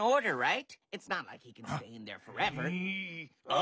あ？